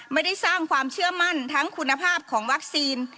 ไม่ได้สร้างความเชื่อมั่นทั้งคุณภาพของวัคซีน